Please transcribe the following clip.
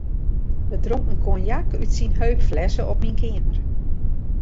We dronken konjak út syn heupflesse op myn keamer.